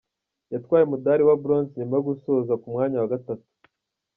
yatwaye umudali wa Bronze nyuma yo gusoza ku mwanya wa gatatu.